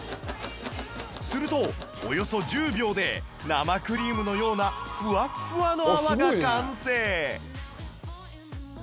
するとおよそ１０秒で生クリームのようなふわっふわの泡が完成